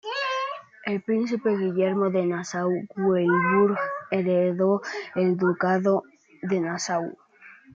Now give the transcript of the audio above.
El Príncipe Guillermo de Nassau-Weilburg heredó el Ducado de Nassau.